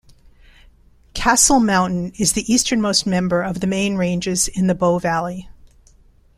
Castle Mountain is the easternmost member of the Main Ranges in the Bow Valley.